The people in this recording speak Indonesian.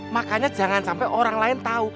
makanya jangan sampai orang lain tahu